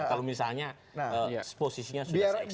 kalau misalnya posisinya sudah ekstrim